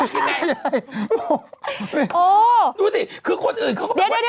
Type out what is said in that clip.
ยังไงโอ้ดูสิคือคนอื่นเขาก็แบบว่า